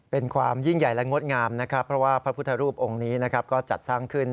เป็นความยิ่งใหญ่และงดงามเพราะว่าพระพุทธธรูปองค์นี้จัดสร้างขึ้น